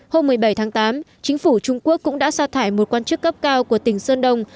hôm một mươi bảy tháng tám chính phủ trung quốc cũng đã xa thải một quan chức cấp cao của tỉnh sơn đông